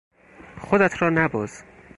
خودت را نباز!